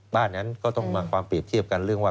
บ้านนั้นก็ต้องมาความเปรียบเทียบกันเรื่องว่า